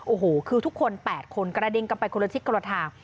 โอ้โหคือทุกคน๘คนกระเด็นกลับไปคนอื่นที่กระด่าทาง